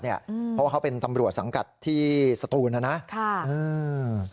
เพราะว่าเขาเป็นตำรวจสังกัดที่สตูนนะนะ